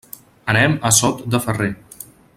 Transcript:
Anem a Sot de Ferrer.